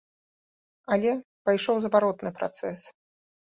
Але пайшоў зваротны працэс.